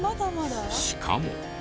しかも。